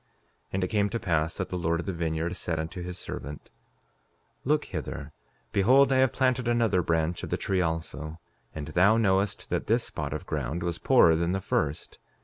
5:23 And it came to pass that the Lord of the vineyard said unto his servant: Look hither; behold I have planted another branch of the tree also; and thou knowest that this spot of ground was poorer than the first.